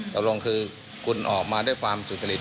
ตกลงคือคุณออกมาด้วยความสุจริต